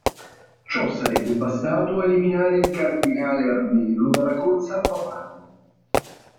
Ciò sarebbe bastato a eliminare il cardinale armeno dalla corsa al papato.